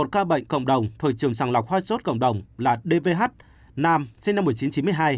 một ca bệnh cộng đồng thuộc trường sàng lọc ho sốt cộng đồng là dph nam sinh năm một nghìn chín trăm chín mươi hai